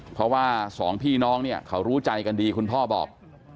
เพราะว่าสองพี่น้องเนี่ยเขารู้ใจกันดีคุณพ่อบอก